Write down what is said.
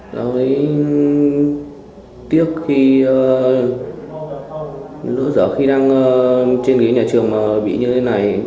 dạo đấy tiếc khi lỡ dở khi đang trên ghế nhà trường bị như thế này